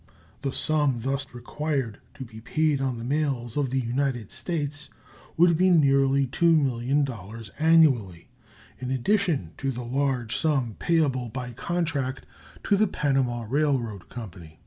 The sum thus required to be paid on the mails of the United States would be nearly $2,000,000 annually in addition to the large sum payable by contract to the Panama Railroad Company.